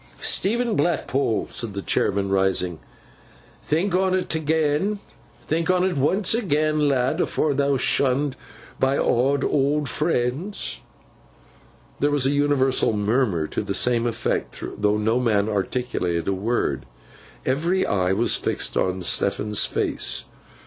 'Stephen Blackpool,' said the chairman, rising, 'think on 't agen. Think on 't once agen, lad, afore thou'rt shunned by aw owd friends.' There was an universal murmur to the same effect, though no man articulated a word. Every eye was fixed on Stephen's face.